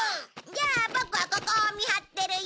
じゃあボクはここを見張ってるよ。